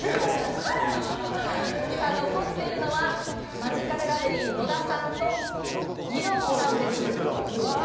残っているのはマヂカルラブリー野田さんと、義堂さんです。